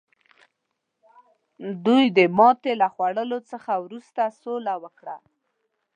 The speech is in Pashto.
دوی د ماتې له خوړلو څخه وروسته سوله وکړه.